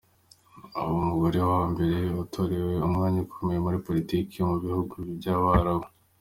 Aba umugore wa mbere utorewe umwanya ukomeye muri Politiki mu bihugu by’abarabu.